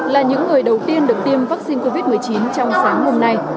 là những người đầu tiên được tiêm vaccine covid một mươi chín trong sáng hôm nay